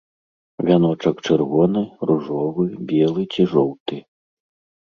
Вяночак чырвоны, ружовы, белы ці жоўты.